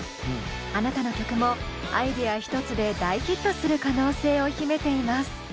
あなたの曲もアイデア１つで大ヒットする可能性を秘めています。